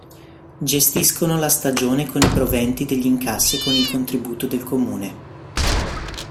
Gestiscono la stagione con i proventi degli incassi e con il contributo del Comune.